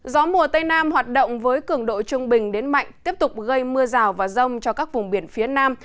gió mùa tây nam hoạt động với cường độ trung bình đến mạnh tiếp tục gây mưa rào và rông cho các vùng biển phía nam